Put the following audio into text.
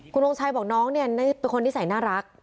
คุณทงชัยบอกน้องเนี่ยเป็นคนนิสัยน่ารัก